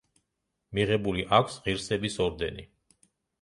მიღებული აქვს ღირსების ორდენი.